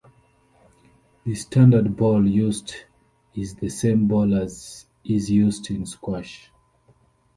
The standard ball used is the same ball as is used in squash.